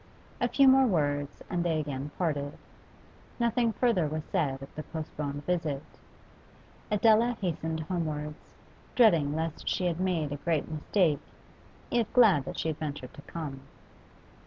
A few more words and they again parted. Nothing further was said of the postponed visit. Adela hastened homewards, dreading lest she had made a great mistake, yet glad that she had ventured to come.